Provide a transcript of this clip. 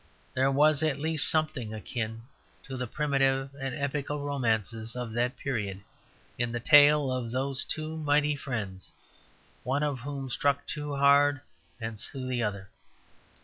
There was at least something akin to the primitive and epical romances of that period in the tale of those two mighty friends, one of whom struck too hard and slew the other.